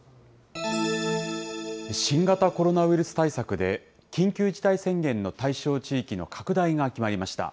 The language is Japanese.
新型コロナウイルス対策で、緊急事態宣言の対象地域の拡大が決まりました。